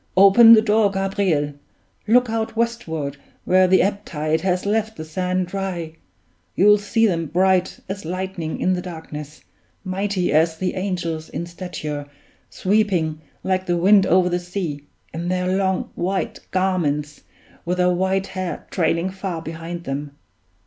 Open the door, Gabriel! look out westward, where the ebb tide has left the sand dry. You'll see them bright as lightning in the darkness, mighty as the angels in stature, sweeping like the wind over the sea, in their long white garments, with their white hair trailing far behind them!